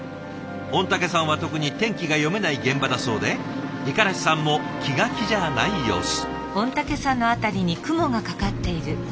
御嶽山は特に天気が読めない現場だそうで五十嵐さんも気が気じゃない様子。